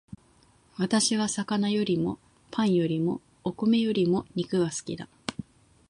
私は魚よりもパンよりもお米よりも肉が好きだ